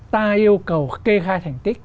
ta yêu cầu kê khai thành tích